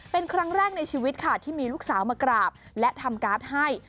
เป็นครั้งแรกในชีวิตค่ะที่มีลูกสาวมากราบและทำการ์ดให้